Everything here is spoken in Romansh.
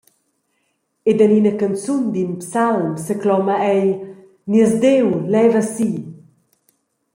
Ed en ina canzun d’in psalm secloma ei: «Nies Diu leva si.